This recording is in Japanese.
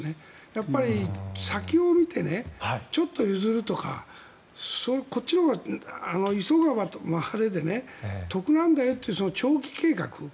やっぱり先を見てちょっと譲るとかこっちのほうが急がば回れで得なんだよっていう長期計画。